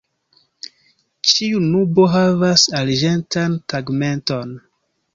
Ĉiu nubo havas arĝentan tegmenton.